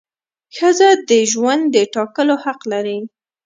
ښځه د ژوند د ټاکلو حق لري.